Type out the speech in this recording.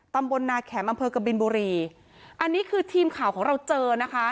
ตำบลนาแขมอำเภอกบินบุรีอันนี้คือทีมข่าวของเราเจอนะคะ